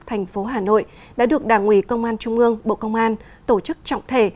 thành phố hà nội đã được đảng ủy công an trung ương bộ công an tổ chức trọng thể